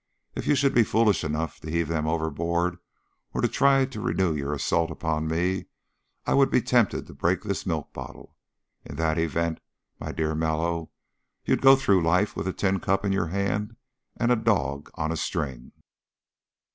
If you should be foolish enough to heave them overboard or try to renew your assault upon me, I would be tempted to break this milk bottle. In that event, my dear Mallow, you'd go through life with a tin cup in your hand and a dog on a string."